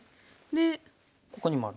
ここにもある。